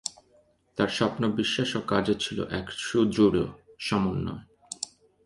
তাঁর স্বপ্ন, বিশ্বাস ও কাজে ছিল এক সুদৃঢ় সমন্বয়।